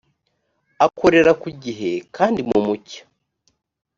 akorera ku gihe kandi mu mucyo